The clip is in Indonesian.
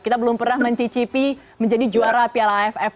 kita belum pernah mencicipi menjadi juara piala aff